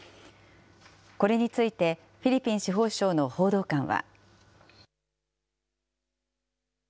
これについて、フィリピン司法省の報道官は。